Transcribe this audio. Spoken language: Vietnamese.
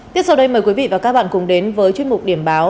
tiếp sau đây mời quý vị và các bạn cùng đến với chuyên mục điểm báo